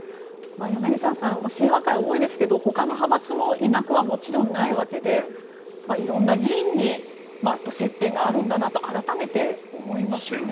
柳澤さん清和会、多いですけどほかの派閥もいなくはもちろんないわけで色んな議員に接点があるんだなと改めて思いますね。